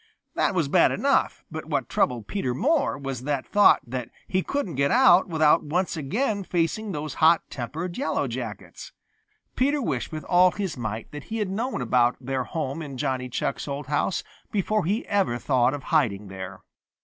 That was bad enough, but what troubled Peter more was the thought that he couldn't get out without once again facing those hot tempered Yellow Jackets. Peter wished with all his might that he had known about their home in Johnny Chuck's old house before ever he thought of hiding there.